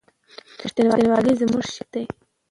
رښتینولي زموږ شعار دی.